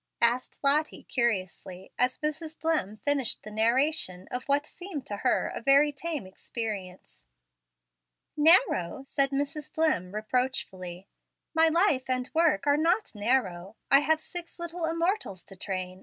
asked Lottie, curiously, as Mrs. Dlimm finished the narration of what seemed to her very tame experience. "Narrow!" said Mrs. Dlimm, reproachfully; "my life and work are not narrow. I have six little immortals to train.